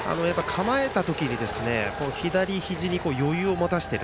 構えた時、左ひじに余裕を持たせている。